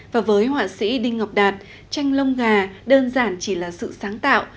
và với họa sĩ đinh ngọc đạt tranh lông gà đơn giản chỉ là sự sáng tạo